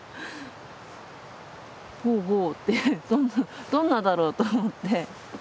ほうほうってどんなだろうと思って。